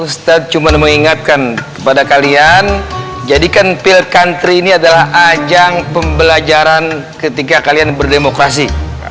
ustadz cuma mengingatkan kepada kalian jadikan pil country ini adalah ajang pembelajaran ketika kalian berdemokrasi